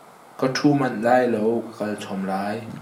Ka ṭhu manh lai lo, ka kal chom lai.